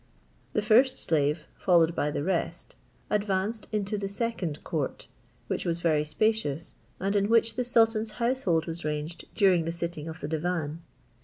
The first slave, followed by the rest, advanced into the second court, which was very spacious, and in which the sultan's household was ranged during the sitting of the divan.